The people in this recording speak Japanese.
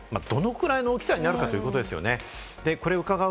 これがどれぐらいの大きさになるかということですね。